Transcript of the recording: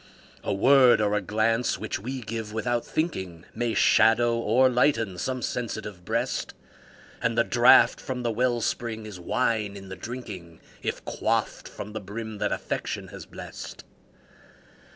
A word or a glance which we give "without thinking", May shadow or lighten some sensitive breast; And the draught from the well spring is wine in the drinking, If quaffed from the brim that Affection has blest.